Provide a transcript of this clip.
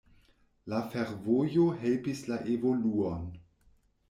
La fervojo helpis la evoluon.